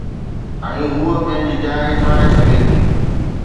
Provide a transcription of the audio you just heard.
۽ هوءَ پنهنجي جاءِ ٺاهي سگهي ٿي.